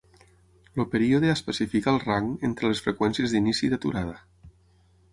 El període especifica el rang entre les freqüències d'inici i d'aturada.